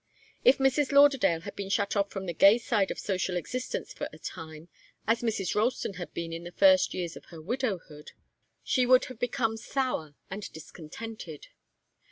If Mrs. Lauderdale had been shut off from the gay side of social existence for a time, as Mrs. Ralston had been in the first years of her widowhood, she would have become sour and discontented.